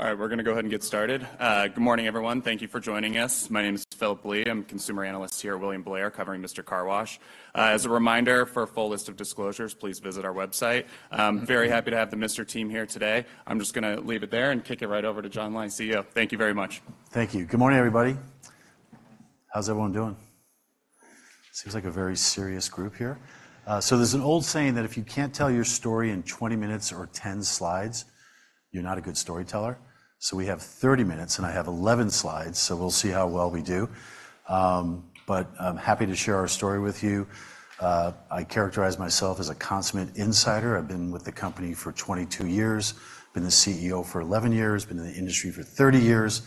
All right, we're going to go ahead and get started. Good morning, everyone. Thank you for joining us. My name is Phillip Blee. I'm a Consumer Analyst here at William Blair, covering Mister Car Wash. As a reminder, for a full list of disclosures, please visit our website. I'm very happy to have the Mister team here today. I'm just going to leave it there and kick it right over to John Lai, CEO. Thank you very much. Thank you. Good morning, everybody. How's everyone doing? Seems like a very serious group here. There's an old saying that if you can't tell your story in 20 minutes or 10 slides, you're not a good storyteller. We have 30 minutes, and I have 11 slides, so we'll see how well we do. But I'm happy to share our story with you. I characterize myself as a consummate insider. I've been with the company for 22 years, been the CEO for 11 years, been in the industry for 30 years,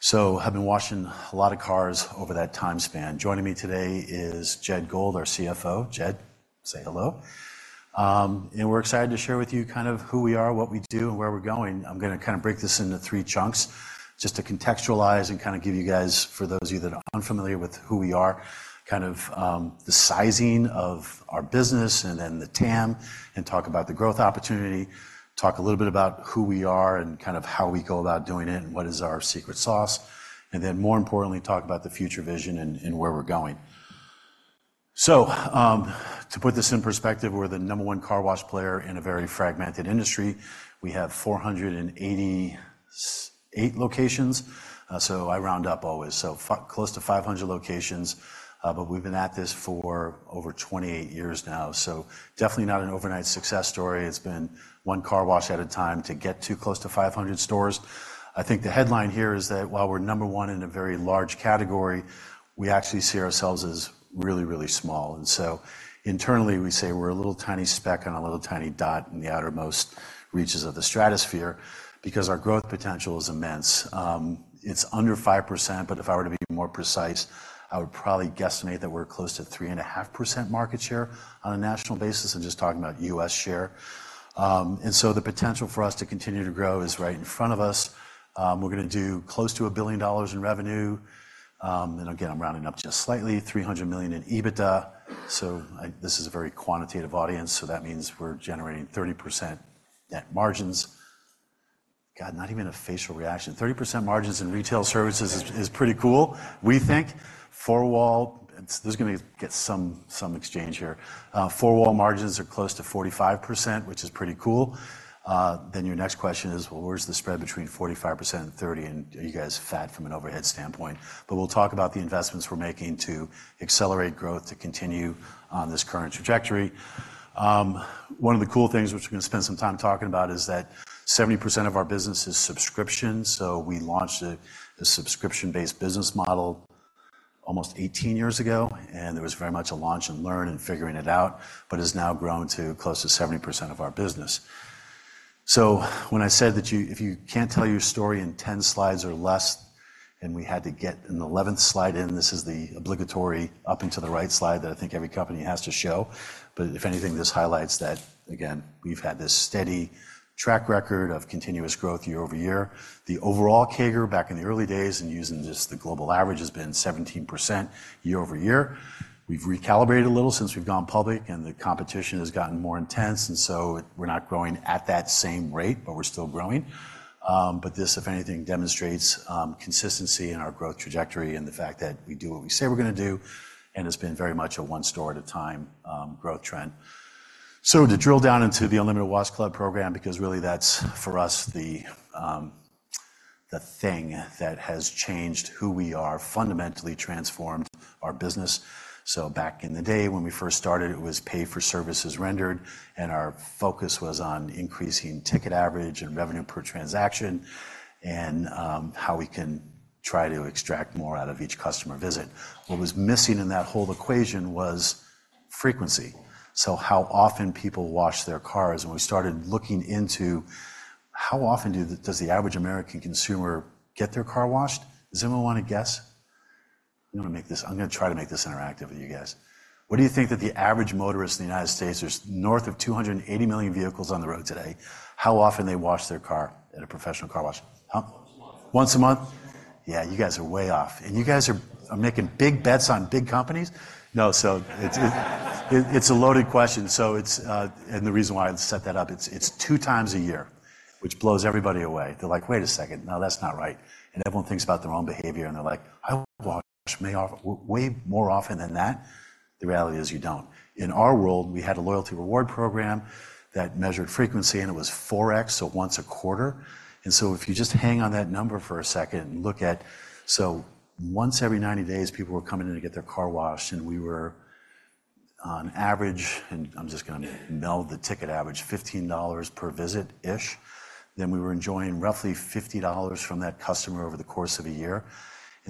so have been washing a lot of cars over that time span. Joining me today is Jed Gold, our CFO. Jed, say hello. We're excited to share with you kind of who we are, what we do, and where we're going. I'm going to kind of break this into three chunks, just to contextualize and kind of give you guys, for those of you that are unfamiliar with who we are, kind of, the sizing of our business and then the TAM, and talk about the growth opportunity, talk a little bit about who we are and kind of how we go about doing it, and what is our secret sauce, and then, more importantly, talk about the future vision and, and where we're going. So, to put this in perspective, we're the number one car wash player in a very fragmented industry. We have 488 locations, so I round up always, so close to 500 locations, but we've been at this for over 28 years now. So definitely not an overnight success story. It's been one car wash at a time to get to close to 500 stores. I think the headline here is that while we're number one in a very large category, we actually see ourselves as really, really small. And so internally, we say we're a little tiny speck on a little tiny dot in the outermost reaches of the stratosphere because our growth potential is immense. It's under 5%, but if I were to be more precise, I would probably guesstimate that we're close to 3.5% market share on a national basis. I'm just talking about U.S. share. And so the potential for us to continue to grow is right in front of us. We're going to do close to $1 billion in revenue. And again, I'm rounding up just slightly, $300 million in EBITDA. So this is a very quantitative audience, so that means we're generating 30% net margins. God, not even a facial reaction. 30% margins in retail services is pretty cool, we think. Four-wall... This is going to get some exchange here. Four-wall margins are close to 45%, which is pretty cool. Then your next question is, well, where's the spread between 45% and 30%, and are you guys fat from an overhead standpoint? But we'll talk about the investments we're making to accelerate growth to continue on this current trajectory. One of the cool things which we're going to spend some time talking about is that 70% of our business is subscription, so we launched a subscription-based business model almost 18 years ago, and there was very much a launch and learn and figuring it out, but it's now grown to close to 70% of our business. So when I said that you, if you can't tell your story in 10 slides or less, and we had to get an 11th slide in, this is the obligatory up and to the right slide that I think every company has to show. But if anything, this highlights that, again, we've had this steady track record of continuous growth year-over-year. The overall CAGR back in the early days and using just the global average has been 17% year-over-year. We've recalibrated a little since we've gone public, and the competition has gotten more intense, and so we're not growing at that same rate, but we're still growing. But this, if anything, demonstrates consistency in our growth trajectory and the fact that we do what we say we're going to do, and it's been very much a one-store-at-a-time growth trend. So to drill down into the Unlimited Wash Club program, because really, that's, for us, the thing that has changed who we are, fundamentally transformed our business. So back in the day, when we first started, it was pay for services rendered, and our focus was on increasing ticket average and revenue per transaction and how we can try to extract more out of each customer visit. What was missing in that whole equation was frequency, so how often people wash their cars, and we started looking into how often does the average American consumer get their car washed? Does anyone want to guess? I'm going to make this I'm going to try to make this interactive with you guys. What do you think that the average motorist in the United States, there's north of 280 million vehicles on the road today, how often they wash their car at a professional car wash? Huh? Once a month. Once a month? Yeah, you guys are way off, and you guys are making big bets on big companies? No, so it's a loaded question, so it's... The reason why I set that up, it's two times a year, which blows everybody away. They're like: "Wait a second. No, that's not right." Everyone thinks about their own behavior, and they're like: "I wash way off, way more often than that." The reality is, you don't. In our world, we had a loyalty reward program that measured frequency, and it was 4x, so once a quarter. So if you just hang on that number for a second and look at... So once every 90 days, people were coming in to get their car washed, and we were on average, and I'm just going to meld the ticket average, $15 per visit-ish. Then we were enjoying roughly $50 from that customer over the course of a year.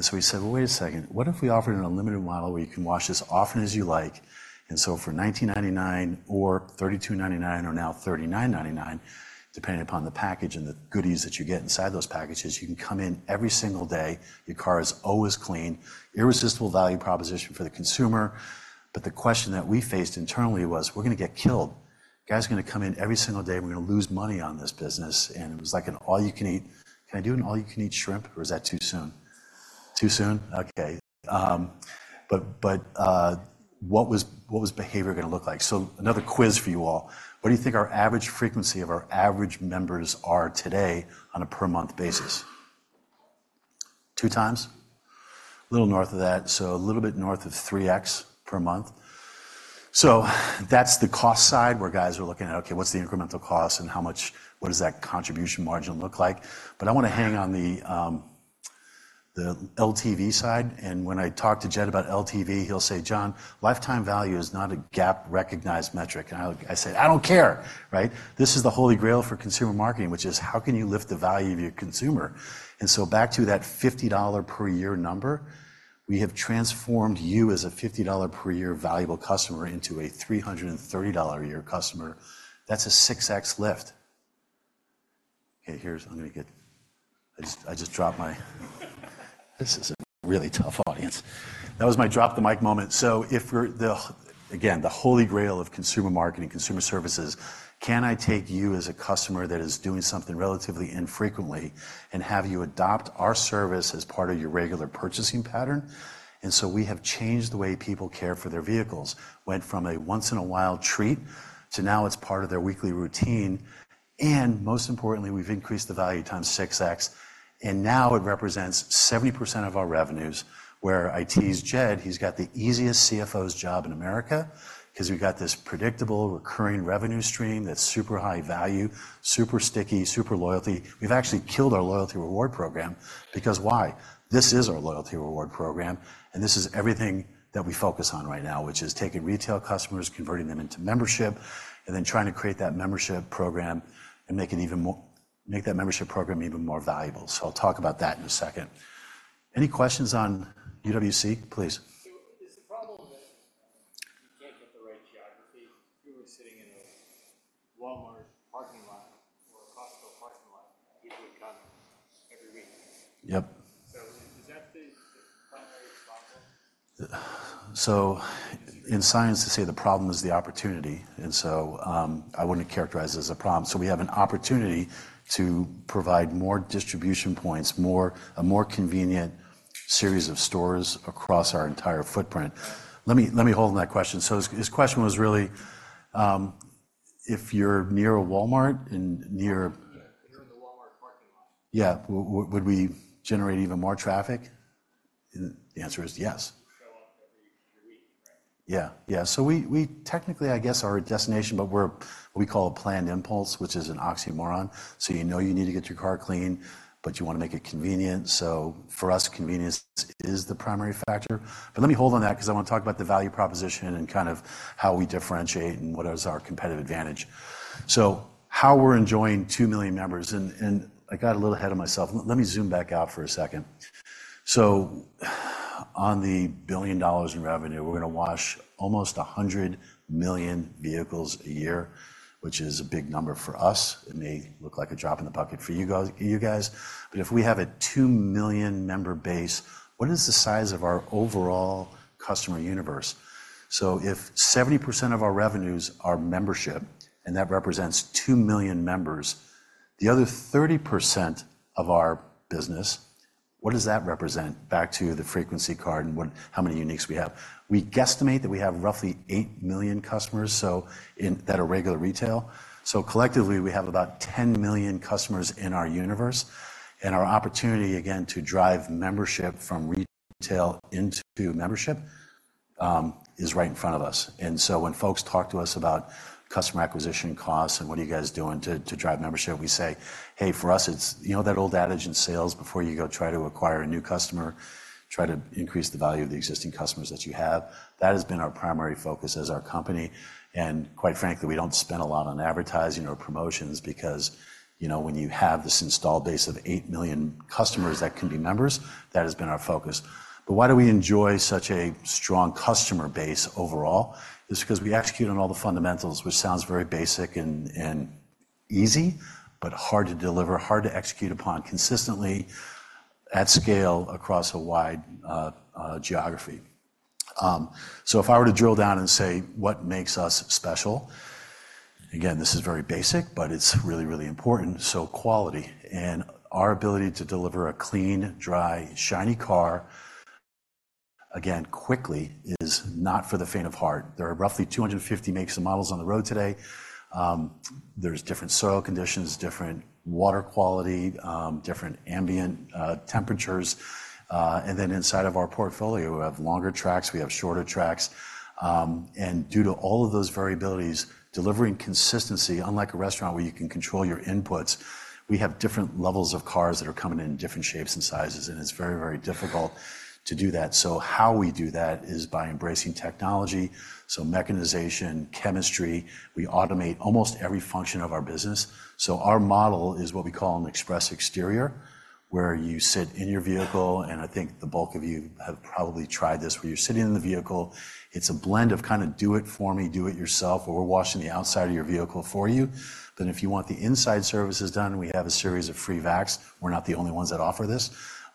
And so we said: Well, wait a second, what if we offered an unlimited model where you can wash as often as you like? And so for $19.99 or $32.99 or now $39.99, depending upon the package and the goodies that you get inside those packages, you can come in every single day. Your car is always clean. Irresistible value proposition for the consumer. But the question that we faced internally was, we're going to get killed. Guys are going to come in every single day, and we're going to lose money on this business, and it was like an all-you-can-eat. Can I do an all-you-can-eat shrimp, or is that too soon? Too soon? Okay. But, but, what was behavior going to look like? So another quiz for you all: What do you think our average frequency of our average members are today on a per month basis? Two times? A little north of that, so a little bit north of 3x per month. So that's the cost side, where guys are looking at, okay, what's the incremental cost and how much—what does that contribution margin look like? But I want to hang on the, the LTV side, and when I talk to Jed about LTV, he'll say, "John, lifetime value is not a GAAP-recognized metric." And I, I say, "I don't care!" Right? This is the Holy Grail for consumer marketing, which is: How can you lift the value of your consumer? And so back to that $50 per year number, we have transformed you as a $50 per year valuable customer into a $330 a year customer. That's a 6x lift. Okay, here's... I just dropped my mic. This is a really tough audience. That was my drop-the-mic moment. So if we're the—again, the Holy Grail of consumer marketing, consumer services: Can I take you as a customer that is doing something relatively infrequently and have you adopt our service as part of your regular purchasing pattern? And so we have changed the way people care for their vehicles. Went from a once-in-a-while treat to now it's part of their weekly routine, and most importantly, we've increased the value 6x, and now it represents 70% of our revenues, where I tease Jed, he's got the easiest CFO's job in America 'cause we've got this predictable, recurring revenue stream that's super high value, super sticky, super loyalty. We've actually killed our loyalty reward program because why? This is our loyalty reward program, and this is everything that we focus on right now, which is taking retail customers, converting them into membership, and then trying to create that membership program and make it even more - make that membership program even more valuable. So I'll talk about that in a second. Any questions on UWC? Please. So is the problem that you can't get the right geography? If you were sitting in a Walmart parking lot or a Costco parking lot, people would come every week. Yep. Is that the primary problem? So in science, they say the problem is the opportunity, and so, I wouldn't characterize it as a problem. So we have an opportunity to provide more distribution points, a more convenient series of stores across our entire footprint. Right. Let me hold on that question. So his question was really, if you're near a Walmart and near- Yeah, if you're in the Walmart parking lot. Yeah. Would we generate even more traffic? The answer is yes. Show up every week, right? Yeah. Yeah. So we, we technically, I guess, are a destination, but we're what we call a planned impulse, which is an oxymoron. So you know you need to get your car cleaned, but you want to make it convenient. So for us, convenience is, is the primary factor. But let me hold on that because I want to talk about the value proposition and kind of how we differentiate and what is our competitive advantage. So how we're enjoying 2 million members, and, and I got a little ahead of myself. Let me zoom back out for a second. So on the $1 billion in revenue, we're going to wash almost 100 million vehicles a year, which is a big number for us. It may look like a drop in the bucket for you guys, you guys, but if we have a 2 million member base, what is the size of our overall customer universe? So if 70% of our revenues are membership, and that represents 2 million members, the other 30% of our business, what does that represent back to the frequency card and what, how many uniques we have? We guesstimate that we have roughly 8 million customers, so, in that are regular retail. So collectively, we have about 10 million customers in our universe, and our opportunity, again, to drive membership from retail into membership, is right in front of us. And so when folks talk to us about customer acquisition costs and what are you guys doing to drive membership, we say: Hey, for us, it's, you know, that old adage in sales, before you go try to acquire a new customer, try to increase the value of the existing customers that you have. That has been our primary focus as our company, and quite frankly, we don't spend a lot on advertising or promotions because, you know, when you have this installed base of 8 million customers that can be members, that has been our focus. But why do we enjoy such a strong customer base overall? It's 'cause we execute on all the fundamentals, which sounds very basic and easy, but hard to deliver, hard to execute upon consistently at scale across a wide geography. So if I were to drill down and say, what makes us special, again, this is very basic, but it's really, really important. So quality and our ability to deliver a clean, dry, shiny car, again, quickly, is not for the faint of heart. There are roughly 250 makes and models on the road today. There's different soil conditions, different water quality, different ambient temperatures. And then inside of our portfolio, we have longer tracks, we have shorter tracks, and due to all of those variabilities, delivering consistency, unlike a restaurant where you can control your inputs, we have different levels of cars that are coming in different shapes and sizes, and it's very, very difficult to do that. So how we do that is by embracing technology, so mechanization, chemistry. We automate almost every function of our business. So our model is what we call an express exterior, where you sit in your vehicle, and I think the bulk of you have probably tried this, where you're sitting in the vehicle. It's a blend of kind of do it for me, do it yourself, where we're washing the outside of your vehicle for you. Then if you want the inside services done, we have a series of free vacs. We're not the only ones that offer this,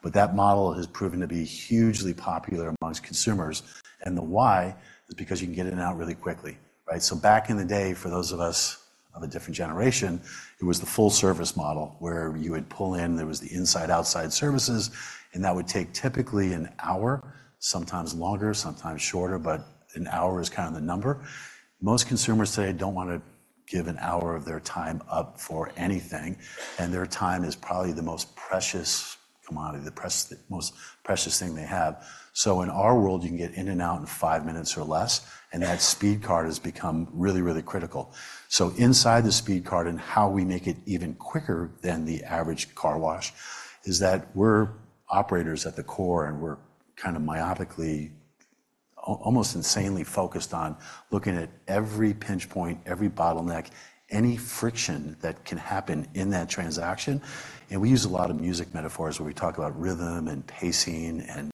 but that model has proven to be hugely popular among consumers. And the why is because you can get in and out really quickly, right? So back in the day, for those of us-... Of a different generation, it was the full-service model, where you would pull in, there was the inside, outside services, and that would take typically an hour, sometimes longer, sometimes shorter, but an hour is kind of the number. Most consumers today don't want to give an hour of their time up for anything, and their time is probably the most precious commodity, the most precious thing they have. So in our world, you can get in and out in five minutes or less, and that speed card has become really, really critical. So inside the speed card and how we make it even quicker than the average car wash, is that we're operators at the core, and we're kind of myopically, almost insanely focused on looking at every pinch point, every bottleneck, any friction that can happen in that transaction. And we use a lot of music metaphors, where we talk about rhythm and pacing and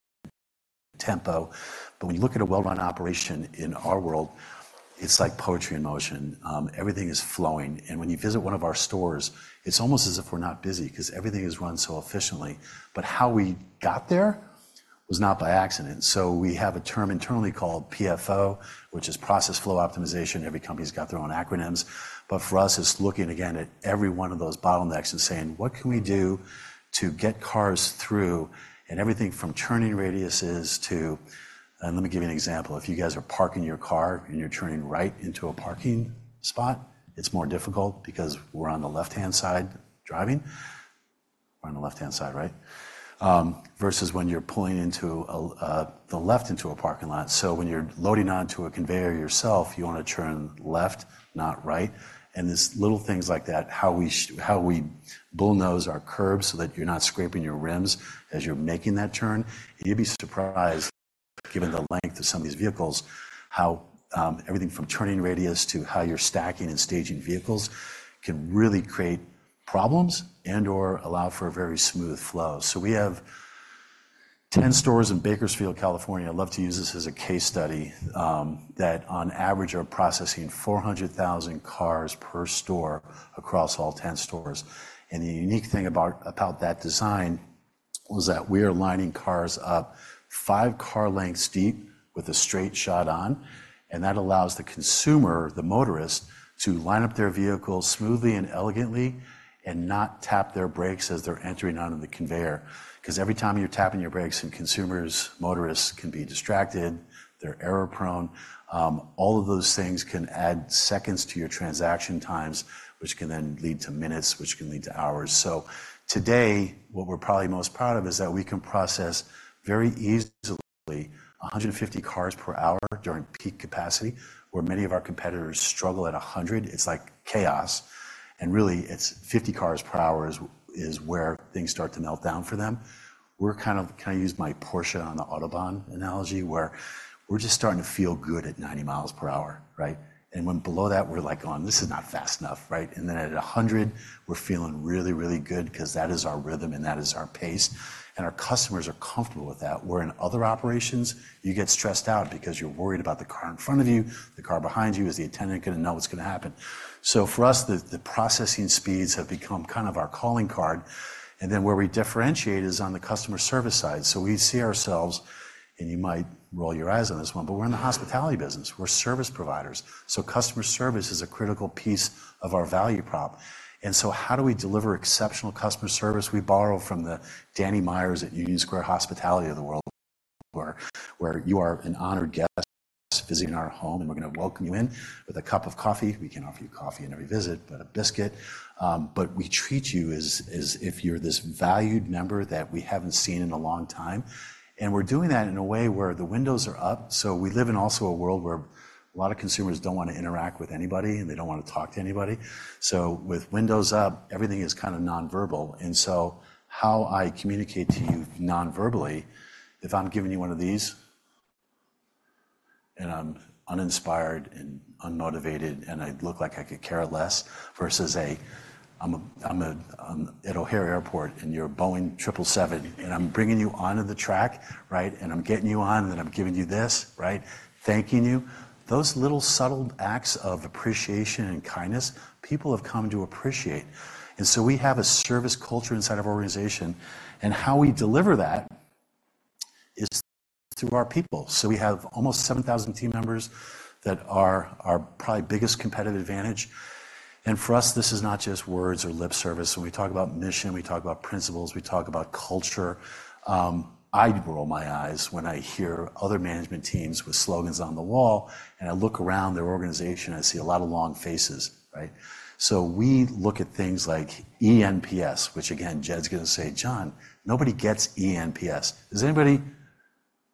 tempo. But when you look at a well-run operation in our world, it's like poetry in motion. Everything is flowing, and when you visit one of our stores, it's almost as if we're not busy 'cause everything is run so efficiently. But how we got there was not by accident. So we have a term internally called PFO, which is Process Flow Optimization. Every company's got their own acronyms, but for us, it's looking again at every one of those bottlenecks and saying: What can we do to get cars through? And everything from turning radiuses. And let me give you an example. If you guys are parking your car, and you're turning right into a parking spot, it's more difficult because we're on the left-hand side driving. We're on the left-hand side, right? Versus when you're pulling into a, the left into a parking lot. So when you're loading onto a conveyor yourself, you wanna turn left, not right. And it's little things like that, how we bullnose our curbs so that you're not scraping your rims as you're making that turn. You'd be surprised, given the length of some of these vehicles, how everything from turning radius to how you're stacking and staging vehicles can really create problems and/or allow for a very smooth flow. So we have 10 stores in Bakersfield, California. I'd love to use this as a case study, that on average are processing 400,000 cars per store across all 10 stores. The unique thing about that design was that we are lining cars up five car lengths deep with a straight shot on, and that allows the consumer, the motorist, to line up their vehicle smoothly and elegantly and not tap their brakes as they're entering onto the conveyor. 'Cause every time you're tapping your brakes, and consumers, motorists, can be distracted, they're error-prone. All of those things can add seconds to your transaction times, which can then lead to minutes, which can lead to hours. So today, what we're probably most proud of is that we can process very easily 150 cars per hour during peak capacity, where many of our competitors struggle at 100. It's like chaos, and really, it's 50 cars per hour is where things start to melt down for them. We're kind of—can I use my Porsche on the Autobahn analogy, where we're just starting to feel good at 90 miles per hour, right? And when below that, we're like: "Oh, this is not fast enough," right? And then at 100, we're feeling really, really good 'cause that is our rhythm, and that is our pace, and our customers are comfortable with that. Where in other operations, you get stressed out because you're worried about the car in front of you, the car behind you. Is the attendant gonna know what's gonna happen? So for us, the processing speeds have become kind of our calling card, and then where we differentiate is on the customer service side. So we see ourselves, and you might roll your eyes on this one, but we're in the hospitality business. We're service providers, so customer service is a critical piece of our value prop. And so how do we deliver exceptional customer service? We borrow from the Danny Meyer at Union Square Hospitality of the world, where you are an honored guest visiting our home, and we're gonna welcome you in with a cup of coffee. We can't offer you coffee on every visit, but a biscuit. But we treat you as if you're this valued member that we haven't seen in a long time, and we're doing that in a way where the windows are up. So we live in also a world where a lot of consumers don't want to interact with anybody, and they don't want to talk to anybody. So with windows up, everything is kind of non-verbal, and so how I communicate to you non-verbally, if I'm giving you one of these, and I'm uninspired and unmotivated, and I look like I could care less, versus I'm at O'Hare Airport, and you're a Boeing 777, and I'm bringing you onto the track, right? And I'm getting you on, and then I'm giving you this, right? Thanking you. Those little subtle acts of appreciation and kindness, people have come to appreciate. So we have a service culture inside our organization, and how we deliver that is through our people. We have almost 7,000 team members that are our probably biggest competitive advantage. For us, this is not just words or lip service. When we talk about mission, we talk about principles, we talk about culture. I roll my eyes when I hear other management teams with slogans on the wall, and I look around their organization, I see a lot of long faces, right? So we look at things like eNPS, which again, Jed's gonna say: "John, nobody gets eNPS." Does anybody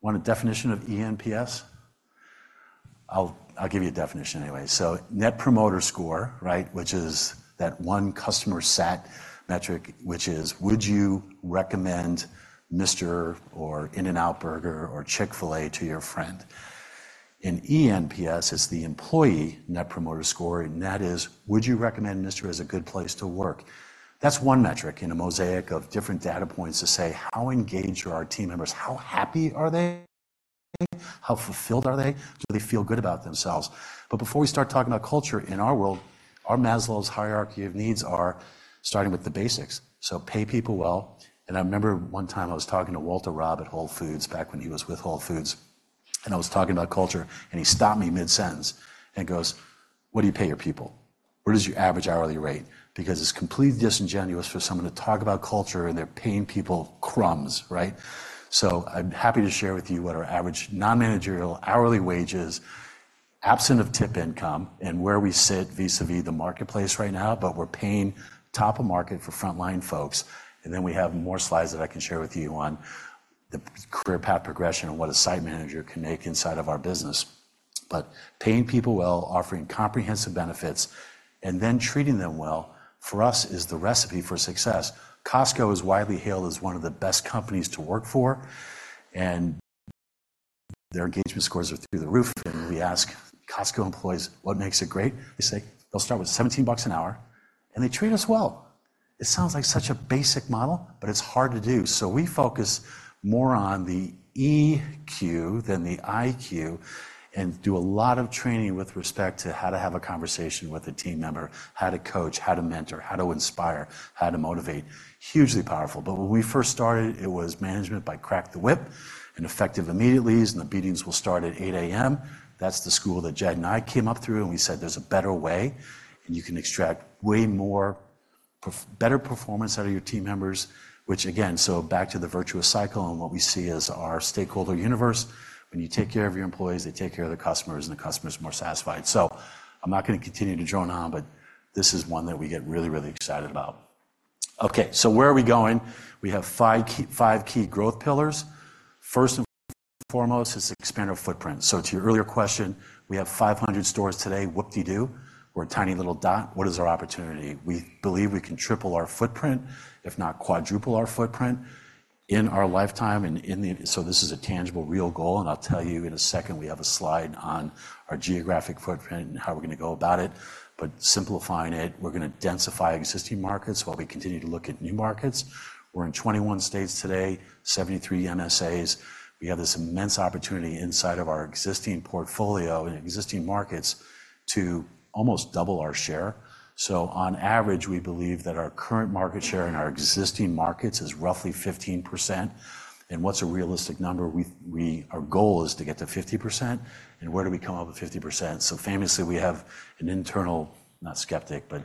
want a definition of eNPS? I'll give you a definition anyway. So Net Promoter Score, right, which is that one customer sat metric, which is: Would you recommend Mister or In-N-Out Burger or Chick-fil-A to your friend? An eNPS is the employee Net Promoter Score, and that is: Would you recommend Mister as a good place to work? That's one metric in a mosaic of different data points to say: How engaged are our team members? How happy are they? How fulfilled are they? Do they feel good about themselves? But before we start talking about culture, in our world, our Maslow's hierarchy of needs are starting with the basics. So pay people well. And I remember one time I was talking to Walter Robb at Whole Foods, back when he was with Whole Foods, and I was talking about culture, and he stopped me mid-sentence and goes, "What do you pay your people? What is your average hourly rate?" Because it's completely disingenuous for someone to talk about culture, and they're paying people crumbs, right? So I'm happy to share with you what our average non-managerial hourly wage is, absent of tip income, and where we sit vis-à-vis the marketplace right now, but we're paying top of market for frontline folks. And then we have more slides that I can share with you on the career path progression and what a site manager can make inside of our business. But paying people well, offering comprehensive benefits, and then treating them well, for us, is the recipe for success. Costco is widely hailed as one of the best companies to work for, and their engagement scores are through the roof. We ask Costco employees, "What makes it great?" They say, "They'll start with $17 an hour, and they treat us well." It sounds like such a basic model, but it's hard to do, so we focus more on the EQ than the IQ and do a lot of training with respect to how to have a conversation with a team member, how to coach, how to mentor, how to inspire, how to motivate. Hugely powerful. But when we first started, it was management by crack the whip and effective immediately, and the beatings will start at 8:00 A.M. That's the school that Jed and I came up through, and we said, "There's a better way, and you can extract way more better performance out of your team members," which again, so back to the virtuous cycle and what we see as our stakeholder universe. When you take care of your employees, they take care of the customers, and the customer is more satisfied. So I'm not going to continue to drone on, but this is one that we get really, really excited about. Okay, so where are we going? We have five key, five key growth pillars. First and foremost is to expand our footprint. So to your earlier question, we have 500 stores today. Whoop-dee-doo! We're a tiny little dot. What is our opportunity? We believe we can triple our footprint, if not quadruple our footprint, in our lifetime, and in the... So this is a tangible, real goal, and I'll tell you in a second, we have a slide on our geographic footprint and how we're going to go about it. But simplifying it, we're going to densify existing markets while we continue to look at new markets. We're in 21 states today, 73 MSAs. We have this immense opportunity inside of our existing portfolio and existing markets to almost double our share. So on average, we believe that our current market share in our existing markets is roughly 15%. And what's a realistic number? Our goal is to get to 50%, and where do we come up with 50%? So famously, we have an internal, not skeptic, but,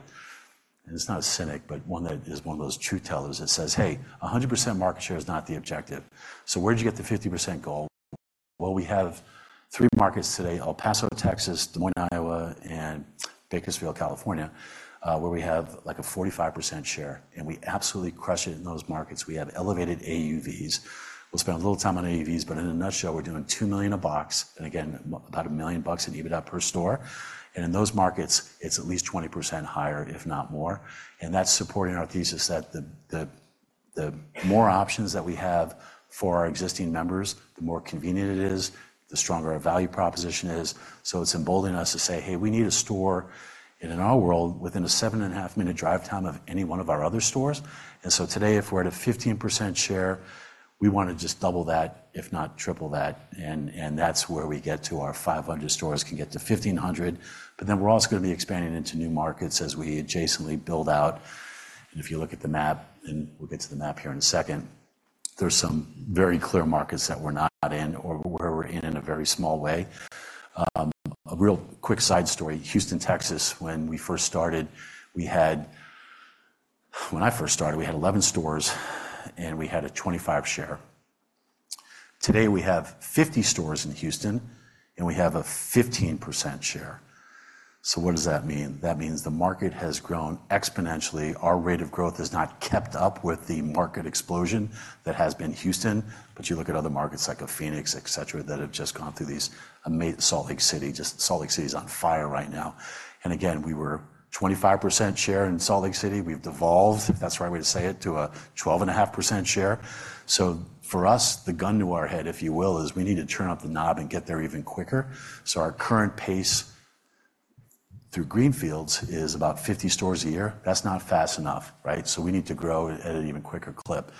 and it's not a cynic, but one that is one of those truth tellers that says, "Hey, 100% market share is not the objective." So where'd you get the 50% goal? Well, we have three markets today: El Paso, Texas, Des Moines, Iowa, and Bakersfield, California, where we have, like, a 45% share, and we absolutely crush it in those markets. We have elevated AUVs. We'll spend a little time on AUVs, but in a nutshell, we're doing $2 million a box, and again, about $1 million in EBITDA per store. And in those markets, it's at least 20% higher, if not more. And that's supporting our thesis that the more options that we have for our existing members, the more convenient it is, the stronger our value proposition is. So it's emboldening us to say, "Hey, we need a store," and in our world, within a 7.5-minute drive time of any one of our other stores. And so today, if we're at a 15% share, we want to just double that, if not triple that, and that's where we get to our 500 stores can get to 1,500. But then we're also going to be expanding into new markets as we adjacently build out. And if you look at the map, and we'll get to the map here in a second, there's some very clear markets that we're not in or where we're in in a very small way. A real quick side story: Houston, Texas, when I first started, we had 11 stores, and we had a 25 share. Today, we have 50 stores in Houston, and we have a 15% share. So what does that mean? That means the market has grown exponentially. Our rate of growth has not kept up with the market explosion that has been Houston, but you look at other markets like a Phoenix, et cetera, that have just gone through these, Salt Lake City, just Salt Lake City is on fire right now. And again, we were 25% share in Salt Lake City. We've devolved, if that's the right way to say it, to a 12.5% share. So for us, the gun to our head, if you will, is we need to turn up the knob and get there even quicker. So our current pace through greenfields is about 50 stores a year. That's not fast enough, right? We need to grow at an even quicker clip.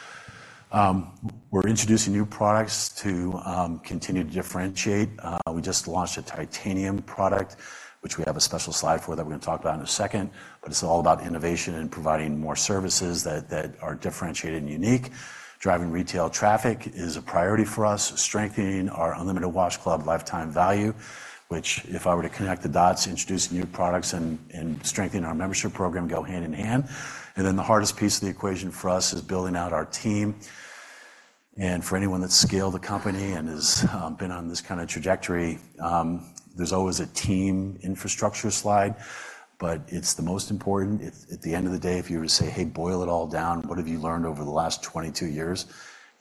We're introducing new products to continue to differentiate. We just launched a Titanium product, which we have a special slide for that we're going to talk about in a second. But it's all about innovation and providing more services that are differentiated and unique. Driving retail traffic is a priority for us, strengthening our Unlimited Wash Club lifetime value, which, if I were to connect the dots, introducing new products and strengthening our membership program go hand in hand. Then the hardest piece of the equation for us is building out our team. For anyone that's scaled a company and has been on this kind of trajectory, there's always a team infrastructure slide, but it's the most important. At the end of the day, if you were to say, "Hey, boil it all down, what have you learned over the last 22 years?"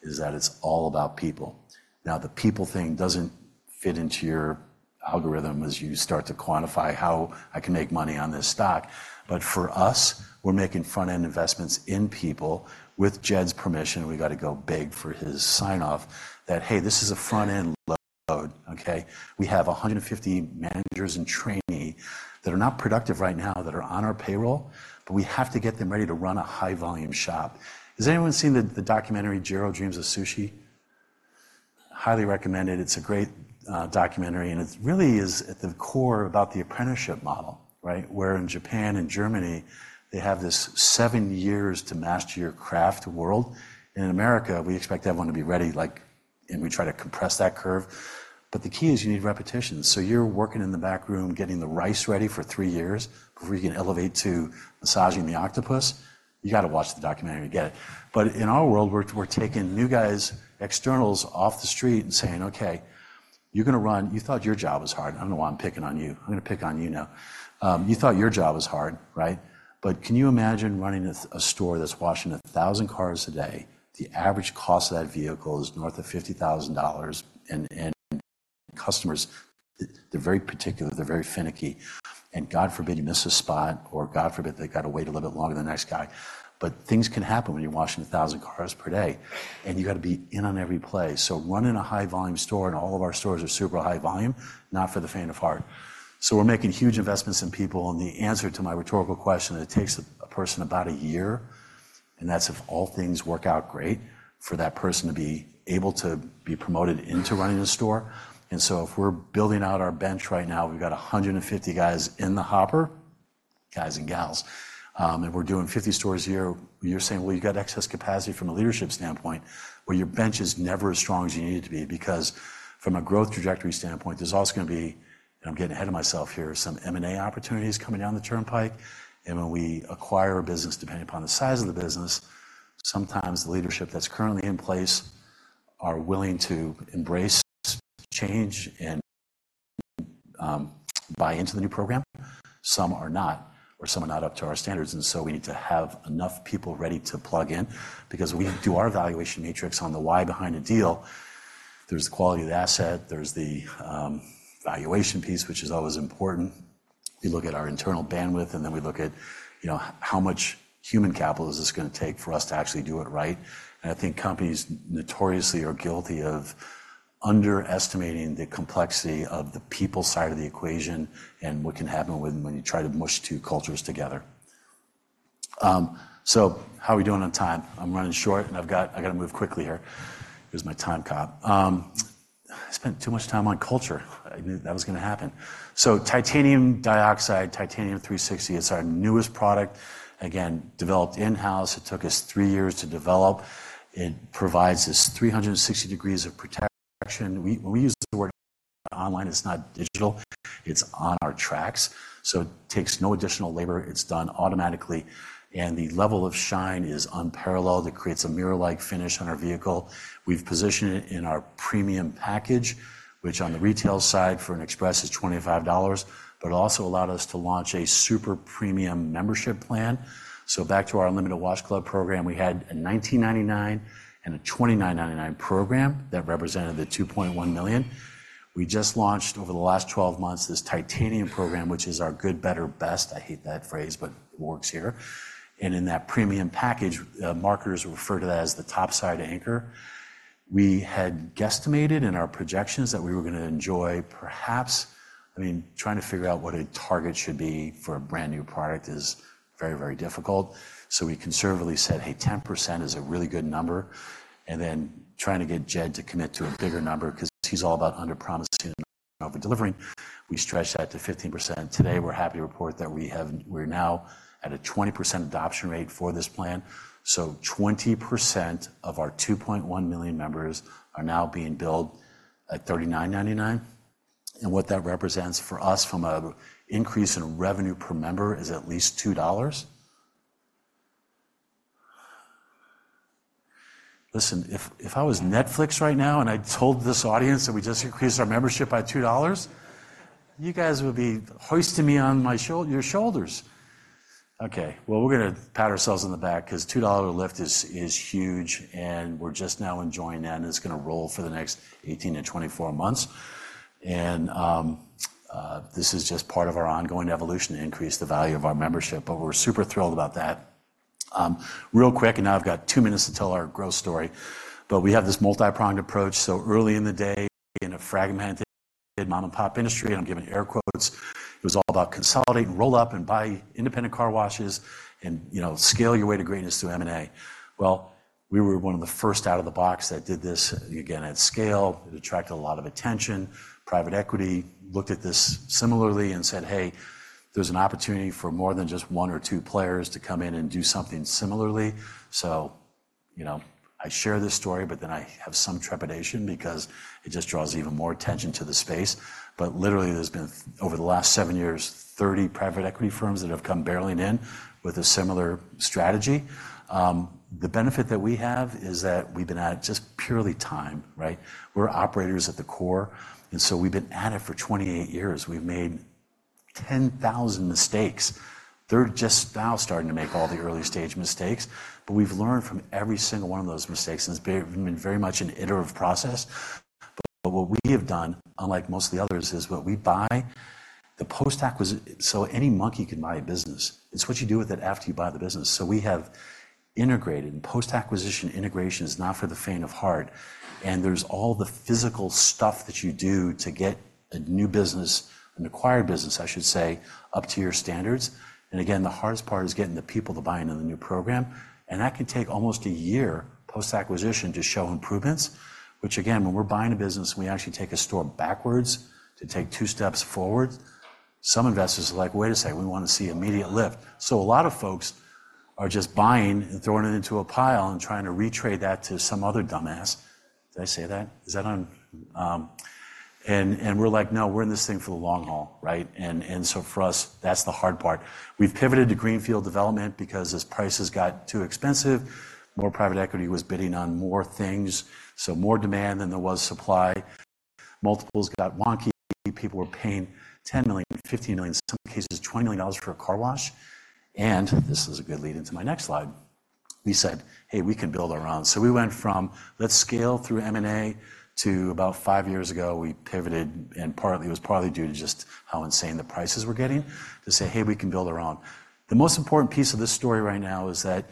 Is that it's all about people. Now, the people thing doesn't fit into your algorithm as you start to quantify how I can make money on this stock. But for us, we're making front-end investments in people. With Jed's permission, we got to go big for his sign-off that, "Hey, this is a front-end load, okay? We have 150 managers and trainee that are not productive right now, that are on our payroll, but we have to get them ready to run a high-volume shop." Has anyone seen the documentary Jiro Dreams of Sushi? Highly recommend it. It's a great documentary, and it really is at the core about the apprenticeship model, right? Where, in Japan and Germany, they have this seven years to master your craft world. In America, we expect everyone to be ready, and we try to compress that curve. But the key is you need repetition. So you're working in the back room, getting the rice ready for three years before you can elevate to massaging the octopus. You got to watch the documentary to get it. But in our world, we're taking new guys, externals off the street and saying: "Okay, you're going to run. You thought your job was hard." I don't know why I'm picking on you. I'm going to pick on you now. You thought your job was hard, right? But can you imagine running a store that's washing 1,000 cars a day, the average cost of that vehicle is north of $50,000, and customers, they're very particular, they're very finicky, and God forbid, you miss a spot, or God forbid, they've got to wait a little bit longer than the next guy. But things can happen when you're washing 1,000 cars per day, and you got to be in on every play. So running a high-volume store, and all of our stores are super high volume, not for the faint of heart. So we're making huge investments in people, and the answer to my rhetorical question, it takes a person about a year, and that's if all things work out great, for that person to be able to be promoted into running a store. So if we're building out our bench right now, we've got 150 guys in the hopper, guys and gals, and we're doing 50 stores a year. You're saying, "Well, you got excess capacity from a leadership standpoint, well, your bench is never as strong as you need it to be," because from a growth trajectory standpoint, there's also going to be, and I'm getting ahead of myself here, some M&A opportunities coming down the turnpike. And when we acquire a business, depending upon the size of the business, sometimes the leadership that's currently in place are willing to embrace change and, buy into the new program. Some are not, or some are not up to our standards, and so we need to have enough people ready to plug in because we do our evaluation matrix on the why behind a deal. There's the quality of the asset, there's the valuation piece, which is always important. We look at our internal bandwidth, and then we look at, you know, how much human capital is this going to take for us to actually do it right? And I think companies notoriously are guilty of underestimating the complexity of the people side of the equation and what can happen when you try to mush two cultures together. So how are we doing on time? I'm running short, and I've got to move quickly here. Here's my time cop. I spent too much time on culture. I knew that was going to happen. So Titanium Dioxide, Titanium 360, it's our newest product. Again, developed in-house. It took us three years to develop. It provides this 360 degrees of protection. We use the word online, it's not digital, it's on our tracks, so it takes no additional labor. It's done automatically, and the level of shine is unparalleled. It creates a mirror-like finish on our vehicle. We've positioned it in our premium package, which on the retail side, for an express, is $25, but it also allowed us to launch a super premium membership plan. So back to our Unlimited Wash Club program, we had a $19.99 and a $29.99 program that represented the 2.1 million. We just launched, over the last 12 months, this Titanium program, which is our good, better, best. I hate that phrase, but it works here. And in that premium package, marketers refer to that as the top side anchor. We had guesstimated in our projections that we were going to enjoy, perhaps... I mean, trying to figure out what a target should be for a brand-new product is very, very difficult. So we conservatively said, "Hey, 10% is a really good number." And then trying to get Jed to commit to a bigger number because he's all about under-promising and over-delivering. We stretched that to 15%. Today, we're happy to report that we have, we're now at a 20% adoption rate for this plan. So 20% of our 2.1 million members are now being billed at $39.99, and what that represents for us from a increase in revenue per member is at least $2. Listen, if I was Netflix right now, and I told this audience that we just increased our membership by $2, you guys would be hoisting me on my shoulder, your shoulders. Okay, well, we're going to pat ourselves on the back because $2 lift is huge, and we're just now enjoying that, and it's going to roll for the next 18-24 months. And this is just part of our ongoing evolution to increase the value of our membership, but we're super thrilled about that. Real quick, and now I've got two minutes to tell our growth story, but we have this multi-pronged approach, so early in the day, in a fragmented mom-and-pop industry, and I'm giving air quotes, it was all about consolidate, roll up, and buy independent car washes, and, you know, scale your way to greatness through M&A. Well, we were one of the first out of the box that did this, again, at scale. It attracted a lot of attention. Private equity looked at this similarly and said, "Hey, there's an opportunity for more than just one or two players to come in and do something similarly." So, you know, I share this story, but then I have some trepidation because it just draws even more attention to the space. But literally, there's been, over the last seven years, 30 private equity firms that have come barreling in with a similar strategy. The benefit that we have is that we've been at it just purely time, right? We're operators at the core, and so we've been at it for 28 years. We've made 10,000 mistakes. They're just now starting to make all the early-stage mistakes, but we've learned from every single one of those mistakes, and it's been very much an iterative process. But what we have done, unlike most of the others, is when we buy, the post-acquisition. So any monkey can buy a business. It's what you do with it after you buy the business. So we have integrated, and post-acquisition integration is not for the faint of heart, and there's all the physical stuff that you do to get a new business, an acquired business, I should say, up to your standards. And again, the hardest part is getting the people to buy into the new program, and that can take almost a year post-acquisition to show improvements, which again, when we're buying a business, we actually take a store backwards to take two steps forward. Some investors are like: "Wait a second, we want to see immediate lift." So a lot of folks-... are just buying and throwing it into a pile and trying to retrade that to some other dumbass. Did I say that? Is that on? And we're like, "No, we're in this thing for the long haul, right?" So for us, that's the hard part. We've pivoted to greenfield development because as prices got too expensive, more private equity was bidding on more things, so more demand than there was supply. Multiples got wonky. People were paying $10 million, $15 million, in some cases, $20 million for a car wash. This is a good lead into my next slide. We said, "Hey, we can build our own." So we went from, let's scale through M&A, to about five years ago, we pivoted, and partly, it was partly due to just how insane the prices were getting, to say, "Hey, we can build our own." The most important piece of this story right now is that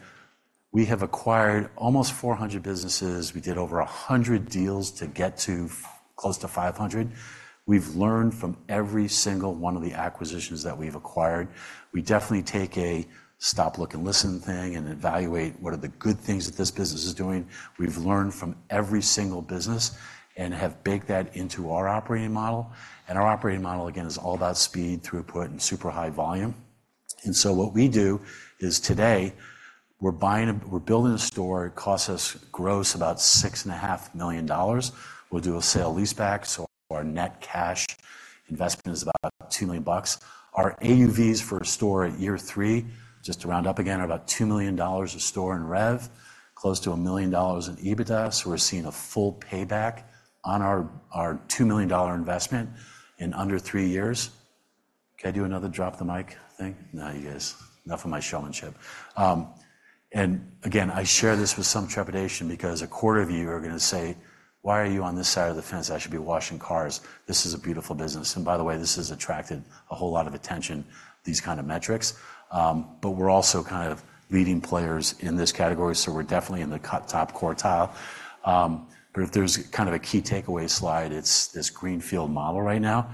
we have acquired almost 400 businesses. We did over 100 deals to get to close to 500. We've learned from every single one of the acquisitions that we've acquired. We definitely take a stop, look, and listen thing, and evaluate what are the good things that this business is doing. We've learned from every single business and have baked that into our operating model, and our operating model, again, is all about speed, throughput, and super high volume. So what we do is, today, we're building a store. It costs us gross about $6.5 million. We'll do a sale-leaseback, so our net cash investment is about $2 million. Our AUVs for a store at year three, just to round up again, are about $2 million a store in rev, close to $1 million in EBITDA, so we're seeing a full payback on our $2 million investment in under three years. Can I do another drop-the-mic thing? No, you guys, enough of my showmanship. And again, I share this with some trepidation because a quarter of you are going to say: Why are you on this side of the fence? I should be washing cars. This is a beautiful business, and by the way, this has attracted a whole lot of attention, these kind of metrics. But we're also kind of leading players in this category, so we're definitely in the top quartile. But if there's kind of a key takeaway slide, it's this greenfield model right now.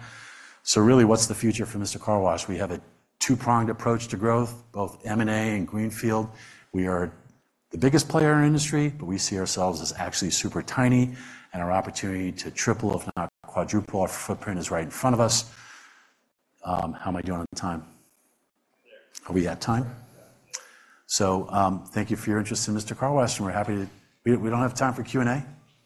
So really, what's the future for Mister Car Wash? We have a two-pronged approach to growth, both M&A and greenfield. We are the biggest player in our industry, but we see ourselves as actually super tiny, and our opportunity to triple, if not quadruple our footprint, is right in front of us. How am I doing on time? You're there. Are we at time? Yeah. So, thank you for your interest in Mister Car Wash, and we're happy to... We don't have time for Q&A?